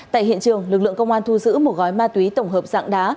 tại hiện trường lực lượng công an thu giữ một gói ma túy tổng hợp dạng đá